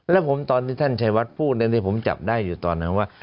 แล้วผมตอนที่ท่านชัยวัดพูดที่ผมจับได้อยู่ตอนนั้นว่า